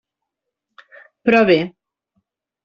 Però bé.